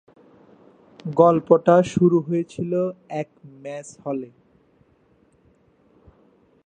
গল্পটা শুরু হয়েছিল এক মেস হলে।